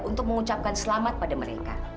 untuk mengucapkan selamat pada mereka